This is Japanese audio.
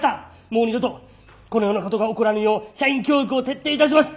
もう二度とこのようなことが起こらぬよう社員教育を徹底いたします。